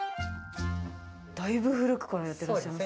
だいぶ古くからやってらっしそうです。